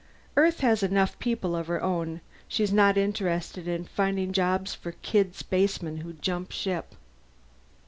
Earth has enough people of her own; she's not interested in finding jobs for kid spacemen who jump ship.